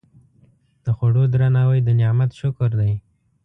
د خوړو درناوی د نعمت شکر دی.